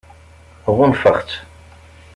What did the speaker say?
Ɣunfaɣ-tt.